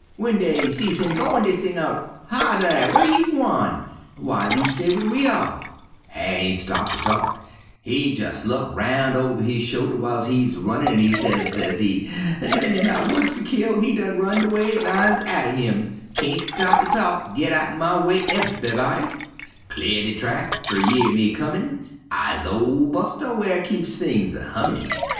W'en dey see him goin' dey sing out: 'Hi, dar! Whar you gwine? Whyn't you stay wid we all?' "Hyar' ain' stop ter talk, he jes' look roun' over his shoulder w'iles he 'z runnin' an' he say, sezee: 'De man I wanster kill, he done runned 'way an' I'se atter him. Kain't stop to talk; git outen my way, ev'yb'dy, _'Cle'r de track, fer yer me comin', I'se ol' Buster whar keep things hummin'.'